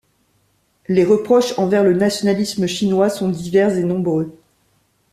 Les reproches envers le nationalisme chinois sont divers et nombreux.